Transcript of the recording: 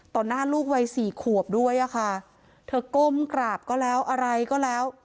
หน้าลูกวัยสี่ขวบด้วยอะค่ะเธอก้มกราบก็แล้วอะไรก็แล้ว